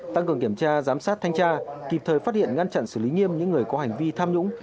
tăng cường kiểm tra giám sát thanh tra kịp thời phát hiện ngăn chặn xử lý nghiêm những người có hành vi tham nhũng